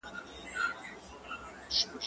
زوی د پلار د ژوند عذاب دی